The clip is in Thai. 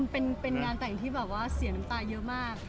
เป็นงานแต่งที่แบบว่าเสียน้ำตาเยอะมาก